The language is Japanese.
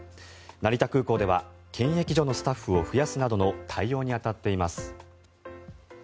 成田空港では検疫所のスタッフを増やすなどの対応に当たっています。